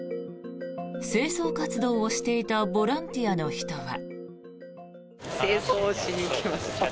清掃活動をしていたボランティアの人は。